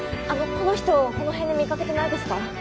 あのこの人この辺で見かけてないですか？